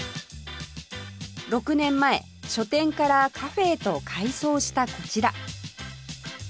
６年前書店からカフェへと改装したこちら